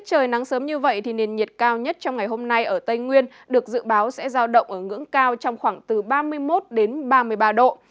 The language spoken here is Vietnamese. trời nắng sớm như vậy thì nền nhiệt cao nhất trong ngày hôm nay ở tây nguyên được dự báo sẽ giao động ở ngưỡng cao trong khoảng từ ba mươi một đến ba mươi ba độ